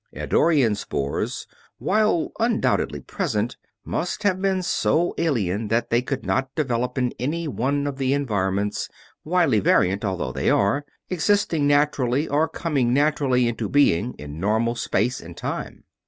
Eddorian spores, while undoubtedly present, must have been so alien that they could not develop in any one of the environments, widely variant although they are, existing naturally or coming naturally into being in normal space and time.